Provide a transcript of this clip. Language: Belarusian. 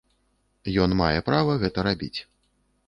Ён мае права гэта рабіць.